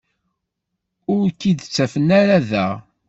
Ur k-id-ttafen ara da.